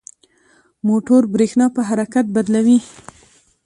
موټور برېښنا په حرکت بدلوي.